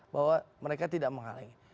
bahwa mereka tidak menghalangi